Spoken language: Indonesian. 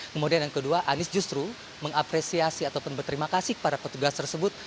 kemudian yang kedua anies justru mengapresiasi ataupun berterima kasih kepada petugas tersebut